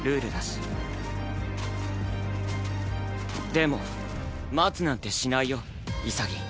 でも待つなんてしないよ潔。